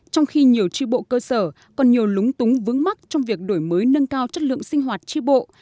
trong khi nhiều tri bộ cơ sở còn nhiều lúng túng vướng mắt trong việc đổi mới nâng cao chất lượng sinh hoạt tri bộ